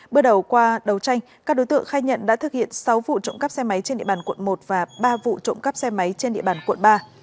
bước đầu qua đấu tranh các đối tượng khai nhận đã thực hiện sáu vụ trộm cắp xe máy trên địa bàn quận một và ba vụ trộm cắp xe máy trên địa bàn quận ba